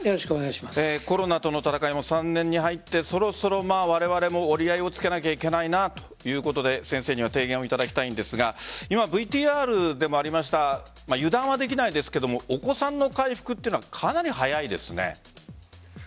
コロナとの戦いも３年に入ってそろそろ、われわれも折り合いをつけなければいけないなということで先生には提言をいただきたいんですがＶＴＲでもありました油断はできないですがお子さんの回復というのはかなり早いですね。